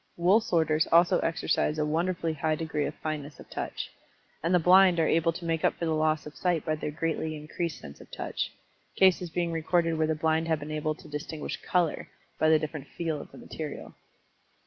Wool sorters also exercise a wonderfully high degree of fineness of touch. And the blind are able to make up for the loss of sight by their greatly increased sense of Touch, cases being recorded where the blind have been able to distinguish color by the different "feel" of the material.